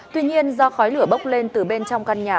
tuy nhiên do khói lửa bốc lên từ bên trong căn nhà